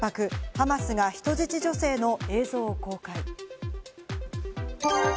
ハマスが人質女性の映像を公開。